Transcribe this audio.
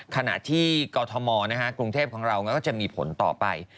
ขณะที่กอทมกรุงเทพของเราก็จะมีผลต่อไป